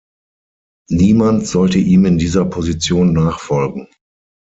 Niemand sollte ihm in dieser Position nachfolgen.